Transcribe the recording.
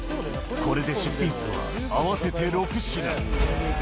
これで出品数は合わせて６品。